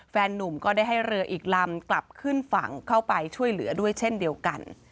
นุ่มก็ได้ให้เรืออีกลำกลับขึ้นฝั่งเข้าไปช่วยเหลือด้วยเช่นเดียวกัน